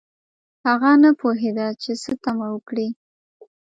هغه نه پوهیده چې څه تمه وکړي